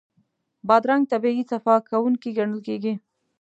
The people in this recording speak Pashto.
بادرنګ طبعي صفا کوونکی ګڼل کېږي.